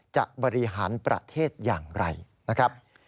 บริหารประเทศอย่างไรนะครับ